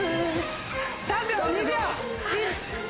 ３秒２秒